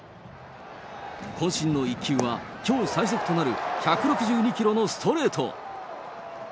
こん身の一球はきょう最速となる１６２キロのストレート。